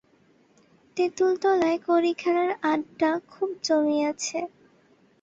তেঁতুলতলায় কড়ি খেলার আডডা খুব জমিয়াছে।